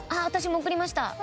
私送りました。